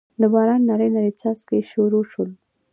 دباران نري نري څاڅکي شورو شول